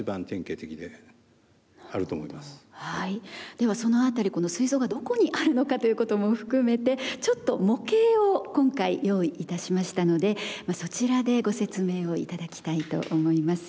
ではそのあたりこのすい臓がどこにあるのかということも含めてちょっと模型を今回用意いたしましたのでそちらでご説明を頂きたいと思います。